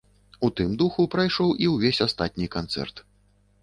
У тым духу прайшоў і ўвесь астатні канцэрт.